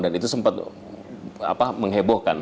dan itu sempat menghebohkan